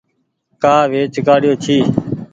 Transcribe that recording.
ڪآ ويچ ڪآڙيو ڇي۔